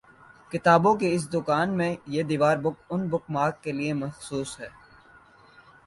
کتابوں کی اس دکان میں یہ دیوار اُن بک مارکس کےلیے مخصوص ہے